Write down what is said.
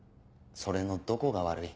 それのどこが悪い？